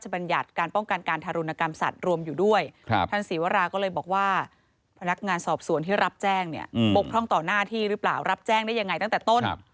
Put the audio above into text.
บกท่องต่อหน้าที่หรือเปล่ารับแจ้งได้ยังไงตั้งแต่ต้น